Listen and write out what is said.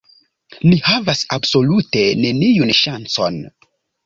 Ni havas absolute neniun ŝancon.